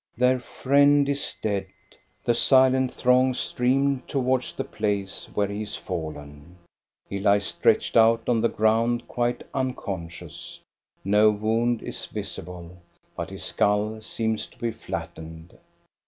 Their friend is dead. The silent throngs stream towards the place where he has fallen. He lies stretched out on the ground quite unconscious; no wound is visible, but his skull seems to be flattened.